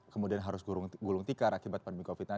kemudian harus gulung tikar akibat pandemi covid sembilan belas